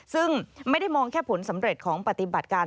ซึ่งไม่ได้มองแค่ผลสำเร็จของปฏิบัติการ